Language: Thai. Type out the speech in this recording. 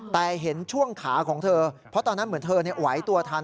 แต่เห็นช่วงขาของเธอเพราะตอนนั้นเหมือนเธอไหวตัวทัน